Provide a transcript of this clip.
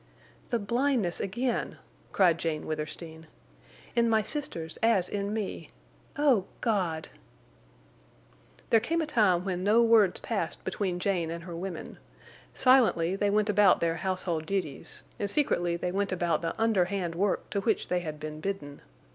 "The blindness again!" cried Jane Withersteen. "In my sisters as in me!... O God!" There came a time when no words passed between Jane and her women. Silently they went about their household duties, and secretly they went about the underhand work to which they had been bidden.